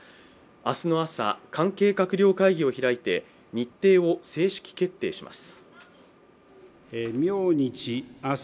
明日の朝、関係閣僚会議を開いて日程を正式決定します。